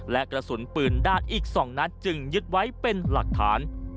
และกระสุนปืนด้านอีก๒นัดจึงยึดไว้เป็นหลักฐาน